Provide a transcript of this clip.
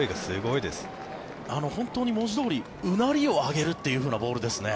本当に文字どおりうなりを上げるというふうなボールですね。